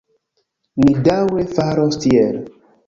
Ni daŭre faros tiel.